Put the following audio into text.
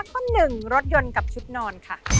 ข้อหนึ่งรถยนต์กับชุดนอนค่ะ